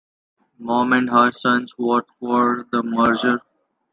Mom and her sons vote for the merger.